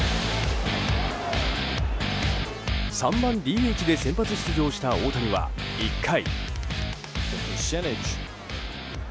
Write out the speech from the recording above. ３番ＤＨで先発出場した大谷は１回。